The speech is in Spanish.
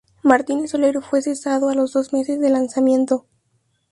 Martínez Soler fue cesado a los dos meses del lanzamiento.